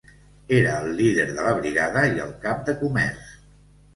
Era el líder de la brigada i el cap de comerç.